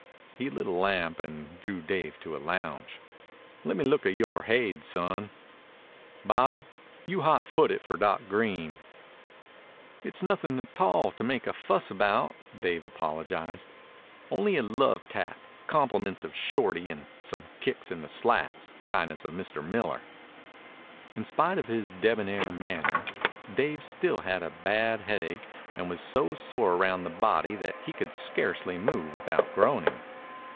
He lit a lamp and drew Dave to a lounge. "Lemme look at yore haid, son. Bob, you hot foot it for Doc Green." "It's nothin' a tall to make a fuss about," Dave apologized. "Only a love tap, compliments of Shorty, and some kicks in the slats, kindness of Mr. Miller." In spite of his debonair manner Dave still had a bad headache and was so sore around the body that he could scarcely move without groaning.